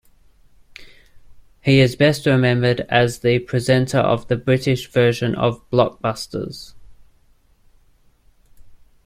He is best remembered as the presenter of the British version of "Blockbusters".